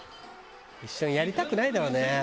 一緒にやりたくないだろうね。